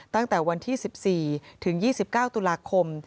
ตั้งแต่วันที่๑๔ถึง๒๙ตุลาคม